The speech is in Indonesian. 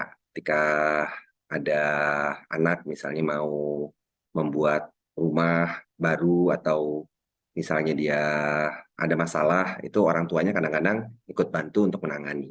ketika ada anak misalnya mau membuat rumah baru atau misalnya dia ada masalah itu orang tuanya kadang kadang ikut bantu untuk menangani